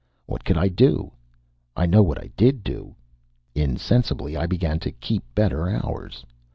What could I do? I know what I did do. Insensibly I began to keep better hours.